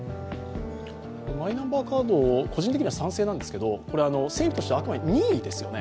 マイナンバーカード、個人的には賛成なんですけど政府としてはあくまで任意ですよね。